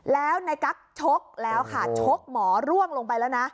แล้วในกั๊กชกแล้วค่ะชกหมอร่วงลงไปแล้วนะ